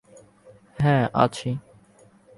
হ্যাঁ, আছি।